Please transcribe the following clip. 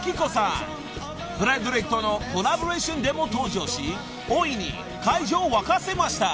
［フレデリックとのコラボレーションでも登場し大いに会場を沸かせました］